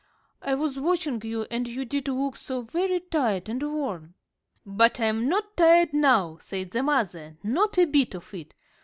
I was watching you, and you did look so very tired and worn." "But I'm not tired now," said the mother, "not a bit of it.